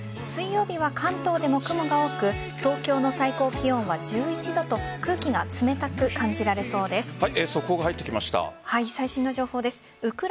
水曜日は関東でも雲が多く東京の最高気温は１１度と空気が冷たく感じられそうです。